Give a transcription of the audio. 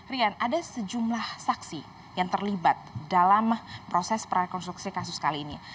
rian ada sejumlah saksi yang terlibat dalam proses prakonstruksi kasus kali ini